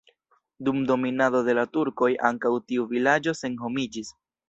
Dum dominado de la turkoj ankaŭ tiu vilaĝo senhomiĝis.